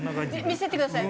見せてください。